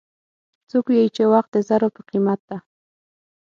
څوک وایي چې وخت د زرو په قیمت ده